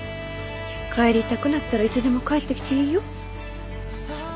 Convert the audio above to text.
帰りたくなったらいつでも帰ってきていいよ。